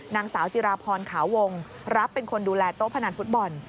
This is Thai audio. นางสาวจิราพรขาววงรับเป็นคนดูแลโต๊ะพนันฟุตบอล